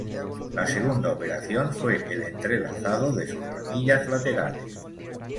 La segunda operación fue el entrelazado de sus ramillas laterales.